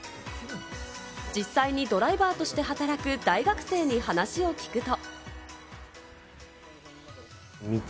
実際にドライバーとして働く大学生に話を聞くと。